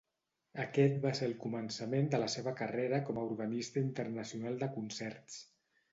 Aquest va ser el començament de la seva carrera com a organista internacional de concerts.